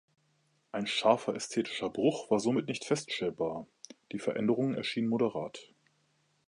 Ein scharfer ästhetischer Bruch war somit nicht feststellbar, die Veränderungen erschienen moderat.